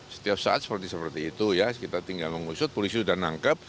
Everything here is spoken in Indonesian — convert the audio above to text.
setiap saat seperti seperti itu ya kita tinggal mengusut polisi sudah nangkep